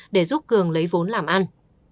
để giúp cường lấy vốn làm ăn